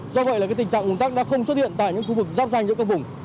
do vậy là tình trạng un tắc đã không xuất hiện tại những khu vực dắp dành cho các vùng